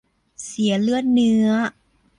เสียเลือดเนื้อ